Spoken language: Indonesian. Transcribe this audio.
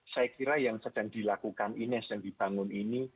saya kira yang sedang dilakukan ines yang dibangun ini